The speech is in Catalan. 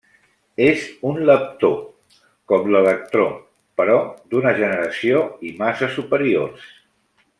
És un leptó, com l'electró, però d'una generació i massa superiors.